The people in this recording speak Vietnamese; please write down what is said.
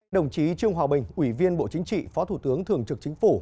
đồng chí trương hòa bình ủy viên bộ chính trị phó thủ tướng thường trực chính phủ